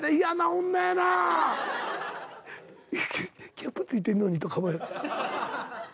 キャップ付いてんのにとか。